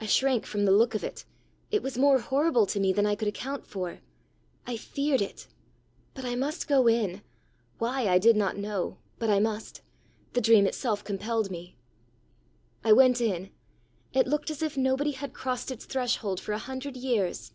I shrank from the look of it: it was more horrible to me than I could account for; I feared it. But I must go in why, I did not know, but I must: the dream itself compelled me. "I went in. It looked as if nobody had crossed its threshold for a hundred years.